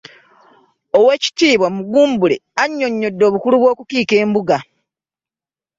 Oweekitiibwa Mugumbule annyonnyodde obukulu bw'okukiika embuga.